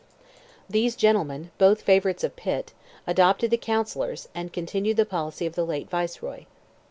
These gentlemen, both favourites of Pitt, adopted the counsellors, and continued the policy of the late Viceroy.